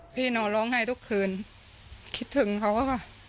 นอนร้องไห้ทุกคืนคิดถึงเขาอะค่ะ